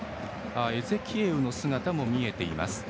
エゼキエウの姿も見えています。